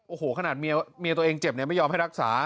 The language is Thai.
โอ้โหขนาดเมียตัวเองเจ็บเนี่ยไม่ยอมให้รักษา